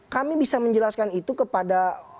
kami bisa menjelaskan itu kepada